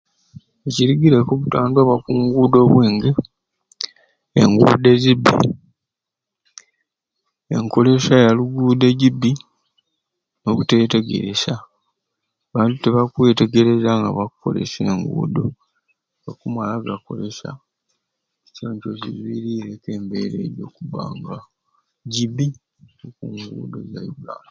Ekirigiraku obutandwa obwa ku nguudo obwingi, enguudo ezifu, enkolesya ya luguudo egibbi, obutetegeresya, abantu tibakwetegerera nga bakkolesya e nguudo bamala ga kolesya ekyo nikyo kizwirireku embeera eyo okubba nga gibbi oku nguudo za Yuganda